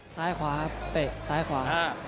ซ้ายขวาเตะซ้ายขวา